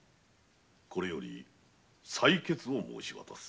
これより裁決を申し渡す。